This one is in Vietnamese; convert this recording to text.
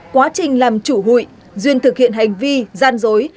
quá trình làm chủ hụi duyên thực hiện hành vi gian dối